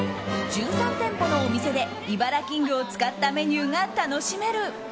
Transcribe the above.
１３店舗のお店でイバラキングを使ったメニューが楽しめる。